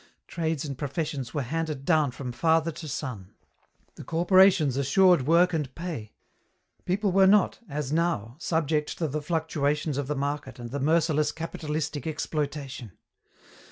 Trades and professions were handed down from father to son. The corporations assured work and pay. People were not, as now, subject to the fluctuations of the market and the merciless capitalistic exploitation.